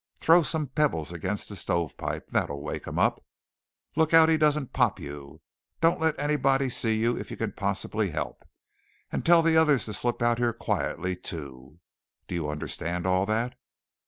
Throw some pebbles against the stovepipe; that'll wake him up. Look out he doesn't pot you. Don't let anybody see you if you can possibly help; and tell the others to slip out here quietly, too. Do you understand all that?"